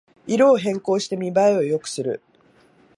色を変更して見ばえを良くする